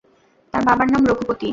তার বাবার নাম রঘুপতি।